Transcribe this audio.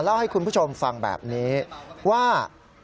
เล่าให้คุณผู้ชมฟังแบบนี้ว่า